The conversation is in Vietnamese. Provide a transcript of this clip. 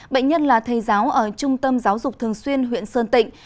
bệnh nhân là thầy giáo ở trung tâm giáo dục thường xuyên huyện sơn tịnh